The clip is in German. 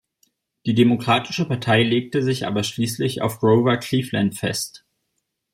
Die Demokratische Partei legte sich aber schließlich auf Grover Cleveland fest.